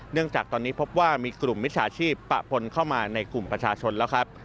เนื่องจากตอนนี้พบว่ามีกลุ่มมิตรศาสตร์ชีพปะพลเข้ามาในกลุ่มประชาชนแล้วครับ